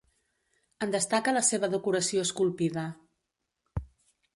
En destaca la seva decoració esculpida.